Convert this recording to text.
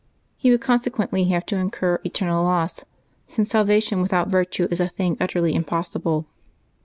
He would consequently have to incur eternal loss, since salvation without virtue is a thing utterly im possible.